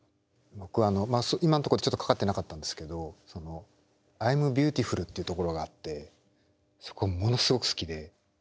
僕あの今んとこちょっとかかってなかったんですけど「アイムビューティフル」っていうところがあってそこものすごく好きで。